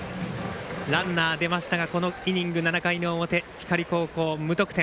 ランナー出ましたがこのイニング、７回表光高校、無得点。